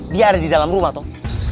dia ada di dalam rumah toh